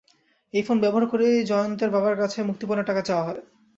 এই ফোন ব্যবহার করেই জয়ন্তের বাবার কাছে মুক্তিপণের টাকা চাওয়া হয়।